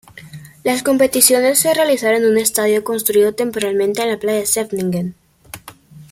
Las competiciones se realizaron en un estadio construido temporalmente en la playa de Scheveningen.